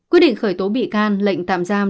quyết định khởi tố bị can lệnh tạm giam